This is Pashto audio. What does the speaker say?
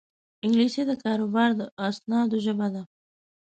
انګلیسي د کاروبار د اسنادو ژبه ده